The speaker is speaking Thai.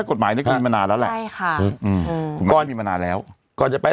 ถ้ากฎหมายนี้ก็มีมานานแล้วแหละใช่ค่ะอืมมีมานานแล้วก่อนจะไป